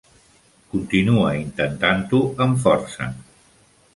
Continua intentant-ho amb força.